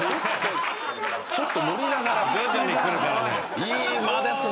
「ちょっとノリながら」「徐々にくるからね」